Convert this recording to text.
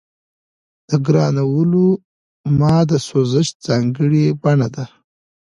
د ګرانولوما د سوزش ځانګړې بڼه ده.